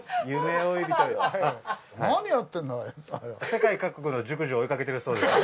世界各国の熟女を追いかけてるそうです。